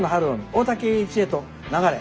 大滝詠一へと流れ」。